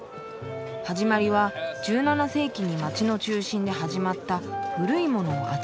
始まりは１７世紀に街の中心で始まった古いものを扱う市」。